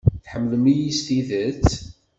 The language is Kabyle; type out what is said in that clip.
Tḥemmleḍ-iyi s tidet?